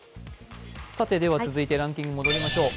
続いてランキング戻りましょう。